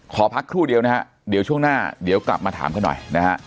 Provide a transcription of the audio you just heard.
ขอพักครู่เดียวนะฮะเดี๋ยวช่วงหน้าเดี๋ยวกลับมาถามกันหน่อยนะฮะ